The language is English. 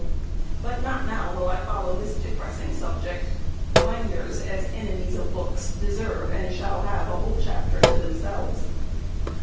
But not now will I follow this depressing subject; binders, as enemies of books, deserve, and shall have, a whole chapter to themselves.